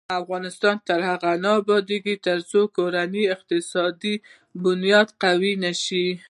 افغانستان تر هغو نه ابادیږي، ترڅو د کورنۍ اقتصادي بنیادي قوي نشي.